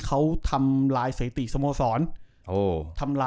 เขาทำลายสถิติสโมสร